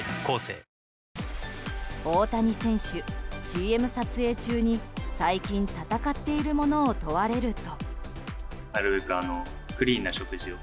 大谷選手、ＣＭ撮影中に最近闘っているものを問われると。